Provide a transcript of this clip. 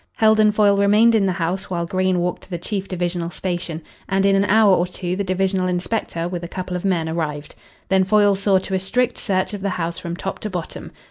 Heldon Foyle remained in the house while Green walked to the chief divisional station, and in an hour or two the divisional inspector with a couple of men arrived. Then Foyle saw to a strict search of the house from top to bottom.